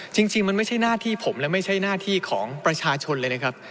จริงมันไม่ใช่หน้าที่ผมและไม่ใช่หน้าที่ของประชาชนเลยนะครับ